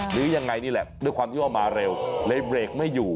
หรือยังไงนี่แหละด้วยความที่ว่ามาเร็วเลยเบรกไม่อยู่